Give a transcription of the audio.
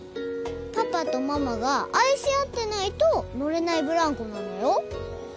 パパとママが愛し合ってないと乗れないブランコなのよ。